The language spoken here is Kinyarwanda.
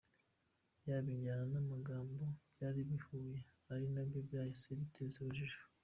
yaba injyana namagambo byari bihuye ari nabyo byahise biteza urujijo.